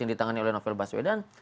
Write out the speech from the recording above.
yang ditangani oleh novel baswedan